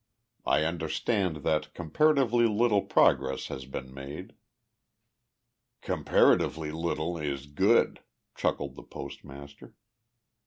I understand that comparatively little progress has been made " "'Comparatively little' is good," chuckled the postmaster.